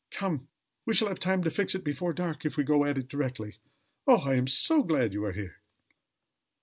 Come; we shall have time to fix it before dark, if we go at it directly. Oh! I am so glad you are here!"